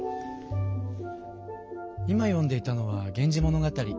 今読んでいたのは「源氏物語」。